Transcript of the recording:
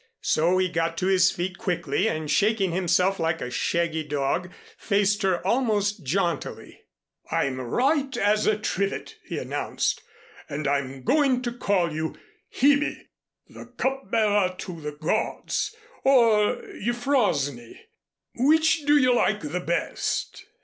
So he got to his feet quickly and shaking himself like a shaggy dog, faced her almost jauntily. "I'm right as a trivet," he announced. "And I'm going to call you Hebe the cup bearer to the gods or Euphrosyne. Which do you like the best?"